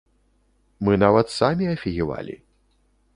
Мы нават самі афігевалі.